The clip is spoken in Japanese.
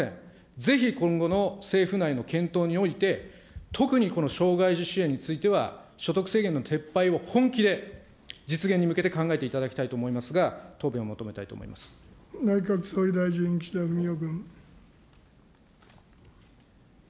ぜひ今後の政府内の検討において、特にこの障害児支援については、所得制限の撤廃を本気で実現に向けて考えていただきたいと思いま内閣総理大臣、岸田文雄君。